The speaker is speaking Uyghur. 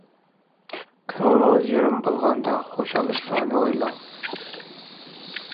كۆڭلىڭىز يېرىم بولغاندا، خۇشاللىق ئىشلارنى ئويلاڭ.